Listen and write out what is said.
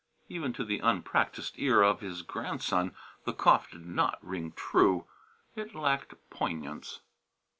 Even to the unpractised ear of his grandson the cough did not ring true. It lacked poignance.